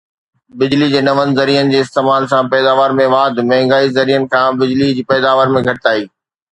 بجلي جي نون ذريعن جي استعمال سان پيداوار ۾ واڌ مهانگي ذريعن کان بجلي جي پيداوار ۾ گهٽتائي